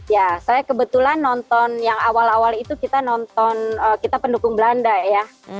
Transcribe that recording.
ya saya kebetulan nonton yang awal awal itu kita nonton kita pendukung belanda ya